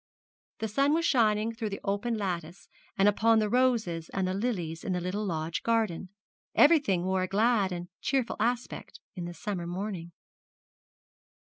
The sun was shining through the open lattice and upon the roses and the lilies in the little lodge garden. Everything wore a glad and cheerful aspect in the summer morning.